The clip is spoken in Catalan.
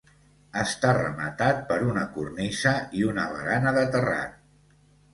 Està rematat per una cornisa i una barana de terrat.